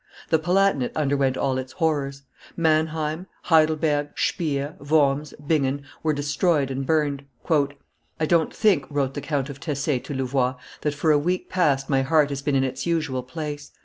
The Palatinate underwent all its horrors. Manheim, Heidelberg, Spires, Worms, Bingen, were destroyed and burned. "I don't think," wrote the Count of Tesse to Louvois, "that for a week past my heart has been in its usual place.